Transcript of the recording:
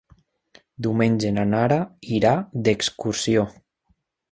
Diumenge na Nara irà d'excursió.